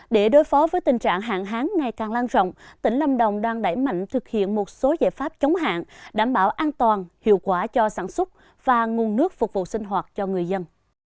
để đối phó với tình trạng hạn hán ngày càng lan rộng tỉnh lâm đồng đang đẩy mạnh thực hiện một số giải pháp chống hạn đảm bảo an toàn hiệu quả cho sản xuất và nguồn nước phục vụ sinh hoạt cho người dân